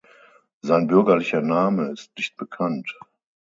Sein bürgerlicher Name ist nicht bekannt.